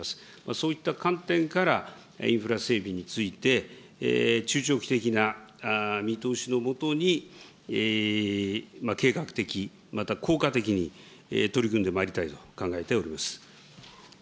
そういった観点から、インフラ整備について、中長期的な見通しのもとに、計画的、また効果的に、取り組んでまいりたいと考えております。